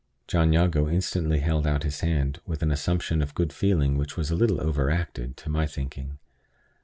John Jago instantly held out his hand, with an assumption of good feeling which was a little overacted, to my thinking.